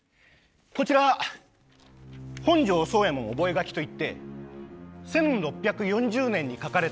こちら「本城惣右衛門覚書」といって１６４０年に書かれた本のコピーです。